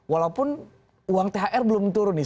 walaupun uang thr belum turun nih